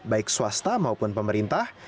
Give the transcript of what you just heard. baik swasta maupun pemerintah